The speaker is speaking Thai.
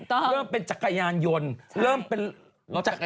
เริ่มเป็นจักรยานยนต์